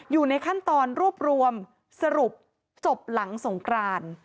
อยู่ในขั้นตอนรวบรวมสรุปจบหลังสงกราน